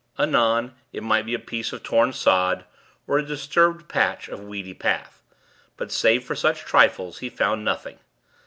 Anon, it might be a piece of torn sod, or a disturbed patch of weedy path; but, save for such trifles, he found nothing.